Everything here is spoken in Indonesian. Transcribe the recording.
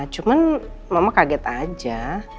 cuman mama kaget aja